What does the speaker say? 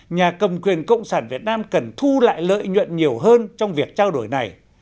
nhà cầm quyền cộng sản việt nam cần thu lại lợi nhuận nhiều hơn trong việc trao đổi này